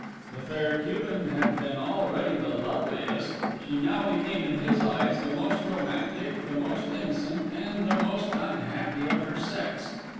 The Fair Cuban had been already the loveliest, she now became, in his eyes, the most romantic, the most innocent, and the most unhappy of her sex.